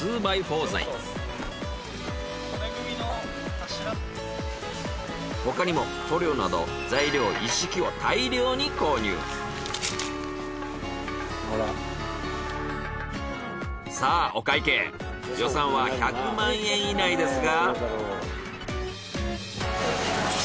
だから更に他にも塗料などさあお会計予算は１００万円以内ですが。